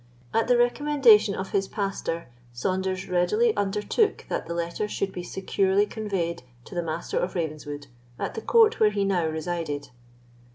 At the recommendation of his pastor, Saunders readily undertook that the letter should be securely conveyed to the Master of Ravenswood at the court where he now resided.